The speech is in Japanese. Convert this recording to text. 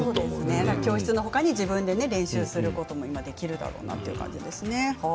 今日は教室の他に自分で練習することもできるかなという感じですよね。